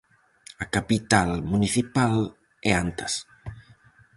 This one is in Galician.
A capital municipal é Antas.